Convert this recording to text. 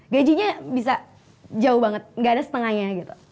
gajinya bisa jauh banget gak ada setengahnya gitu